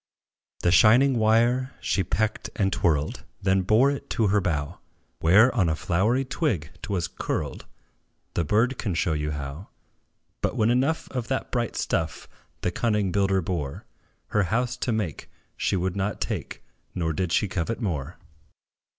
The shining wire she pecked and twirled; Then bore it to her bough, Where, on a flowery twig 't was curled The bird can show you how: But, when enough of that bright stuff The cunning builder bore Her house to make, she would not take, Nor did she covet more.